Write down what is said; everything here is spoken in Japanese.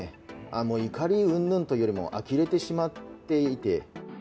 もう怒りうんぬんというよりも、あきれてしまっていて。